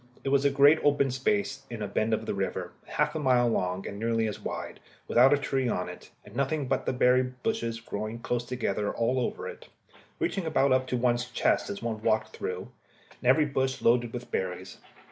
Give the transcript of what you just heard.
It was a great open space in a bend of the river, half a mile long and nearly as wide, without a tree on it, and nothing but just the blue berry bushes growing close together all over it, reaching about up to one's chest as one walked through, and every bush loaded with berries.